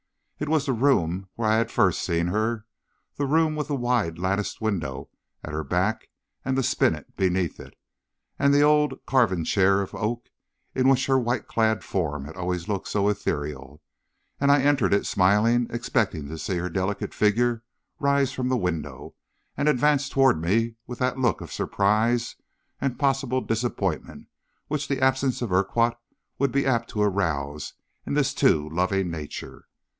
It was the room where first I had seen her, the room with the wide latticed window at the back, and the spinet beneath it, and the old carven chair of oak in which her white clad form had always looked so ethereal; and I entered it smiling, expecting to see her delicate figure rise from the window, and advance toward me with that look of surprise and possible disappointment which the absence of Urquhart would be apt to arouse in this too loving nature.